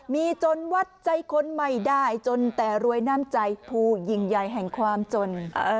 มีจนวัดใจคนไม่ได้จนแต่รวยน้ำใจผู้ยิ่งใหญ่แห่งความจน